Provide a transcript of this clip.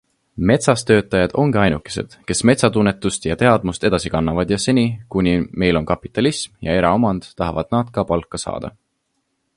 Metsas töötajad ongi ainukesed, kes metsatunnetust ja -teadmust edasi kannavad ja seni, kuni meil on kapitalism ja eraomand, tahavad nad ka palka saada.